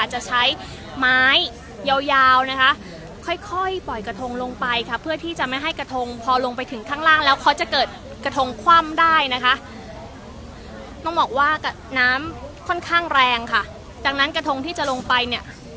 จะใช้ไม้ยาวยาวนะคะค่อยค่อยปล่อยกระทงลงไปค่ะเพื่อที่จะไม่ให้กระทงพอลงไปถึงข้างล่างแล้วเขาจะเกิดกระทงคว่ำได้นะคะต้องบอกว่าน้ำค่อนข้างแรงค่ะดังนั้นกระทงที่จะลงไปเนี่ย